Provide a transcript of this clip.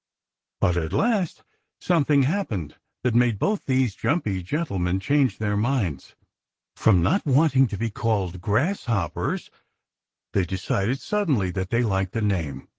But at last something happened that made both those jumpy gentlemen change their minds. From not wanting to be called Grasshoppers, they decided suddenly that they liked the name.